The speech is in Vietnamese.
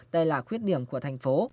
đây là quyết điểm của thành phố